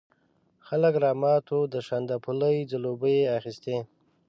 خلک رامات وو، د شانداپولي ځلوبۍ یې اخيستې.